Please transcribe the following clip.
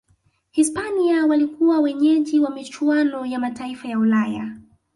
hispania walikuwa wenyeji wa michuano ya mataifa ya ulaya